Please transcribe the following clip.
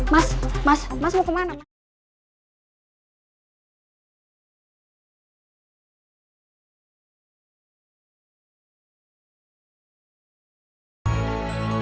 mas mas mas mau kemana mas